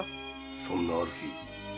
そんなある日